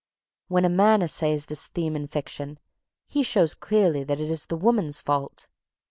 When a man essays this theme in fiction, he shows clearly that it is the woman's fault.